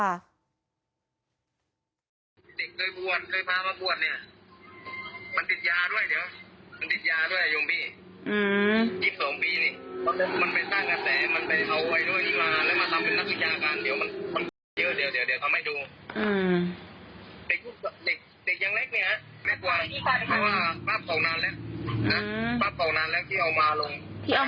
ใจทั้งฟาพบ่วนด้วยฟาพเต่า